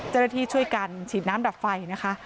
เจรฐีช่วยกันฉีดน้ำดับไฟนะคะ